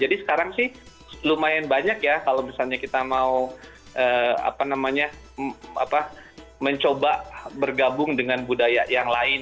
jadi sekarang sih lumayan banyak ya kalau misalnya kita mau mencoba bergabung dengan budaya yang lain